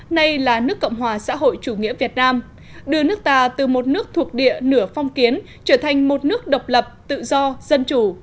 nay là nước cộng hòa xã hội chủ nghĩa việt nam đưa nước ta từ một nước thuộc địa nửa phong kiến trở thành một nước độc lập tự do dân chủ